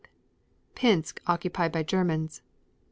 Pinsk occupied by Germans.